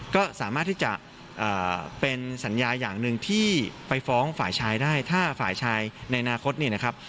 ก็สามารถที่จะเป็นสัญญาอย่างหนึ่งที่ไปฟ้องฝ่ายชายได้ถ้าฝ่ายชายในอนาคตเนี่ยนะครับ